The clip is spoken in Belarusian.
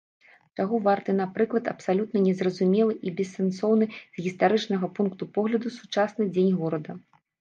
Чаго варты, напрыклад, абсалютна незразумелы і бессэнсоўны з гістарычнага пункту погляду сучасны дзень горада.